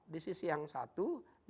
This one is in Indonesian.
di sisi yang satu